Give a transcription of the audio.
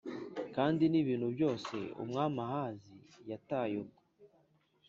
Kandi n ibintu byose Umwami Ahazi yataye ubwo